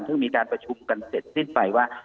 ซึ่งมีการประชุมกันเสร็จสิ้นไปว่า